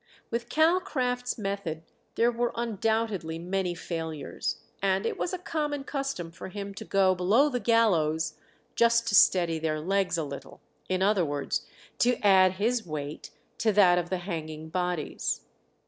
With Calcraft's method there were undoubtedly many failures, and it was a common custom for him to go below the gallows "just to steady their legs a little;" in other words, to add his weight to that of the hanging bodies.